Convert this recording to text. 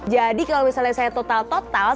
jadi kalau misalnya saya total total